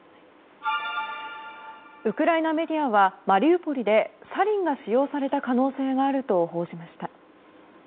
ウクライナメディアはマリウポリでサリンが使用された可能性があると報じました。